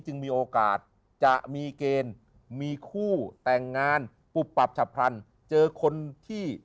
มีโอกาสจะมีเกณฑ์มีคู่แต่งงานปุบปับฉับพลันเจอคนที่